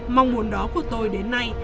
mong muốn đó của tôi đến nay